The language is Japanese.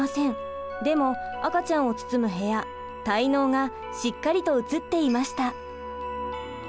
でも赤ちゃんを包む部屋胎のうがしっかりと映っていました。